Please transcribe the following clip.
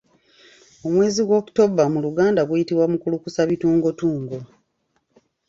Omwezi gwa October mu luganda guyitibwa Mukulukusa bitungotungo